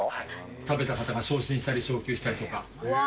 食べた方が昇進したり出世したりとか。